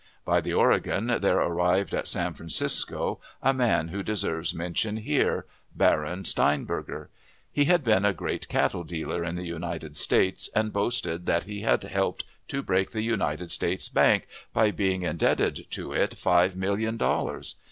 By the Oregon there arrived at San Francisco a man who deserves mention here Baron Steinberger. He had been a great cattle dealer in the United States, and boasted that he had helped to break the United States Bank, by being indebted to it five million dollars!